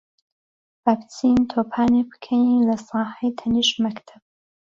با بچین تۆپانێ بکەین لە ساحەی تەنیشت مەکتەب.